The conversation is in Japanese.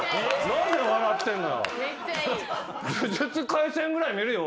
何で笑ってんのよ。